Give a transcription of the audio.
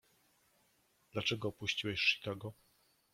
"Dlaczego opuściłeś Chicago?"